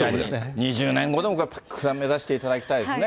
２０年後でも九段目指していただきたいですね。